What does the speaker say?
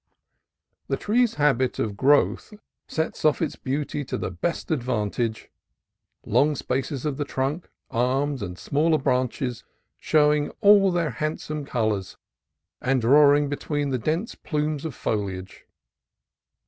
The tree's habit of growth sets off its beauties to the best advantage, long spaces of the trunk, arms, and smaller branches showing all their handsome colors and "drawing" between the dense plumes of foliage.